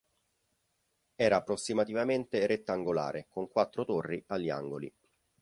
Era approssimativamente rettangolare, con quattro torri agli angoli.